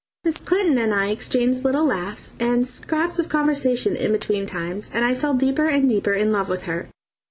Miss Clinton and I exchanged little laughs and scraps of conversation in between times, and I fell deeper and deeper in love with her.